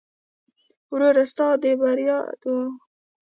ورور ستا د بري دعا کوي.